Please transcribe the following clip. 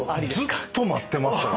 ずっと待ってましたよ。